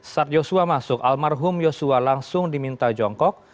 saat yosua masuk almarhum yosua langsung diminta jongkok